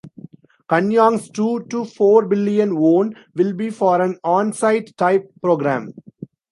Konyang's two to four billion won will be for an on-site type program.